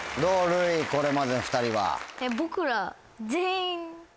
これまでの２人は。